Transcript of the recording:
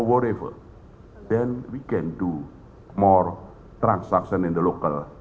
maka kita bisa melakukan transaksi di lokal